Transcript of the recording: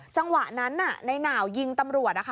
จังหวะนั้นน่ะนายหนาวยิงตำรวจ